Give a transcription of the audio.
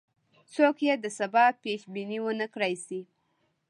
څوک یې د سبا پیش بیني ونه کړای شي.